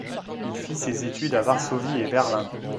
Il fit ses études à Varsovie et Berlin.